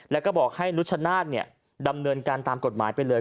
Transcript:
แล้วก็บอกให้นุชชนาธิ์ดำเนินการตามกฎหมายไปเลย